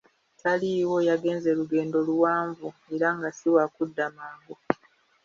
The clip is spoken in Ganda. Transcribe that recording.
Taliiwo, yagenze lugendo luwanvu era nga si wakudda mangu.